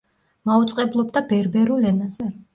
მაუწყებლობდა ბერბერულ ენაზე.